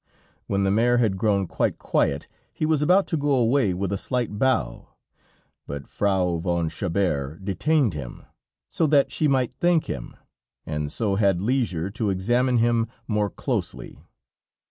When the mare had grown quite quiet, he was about to go away with a slight bow, but Frau von Chabert detained him, so that she might thank him, and so had leisure to examine him more closely.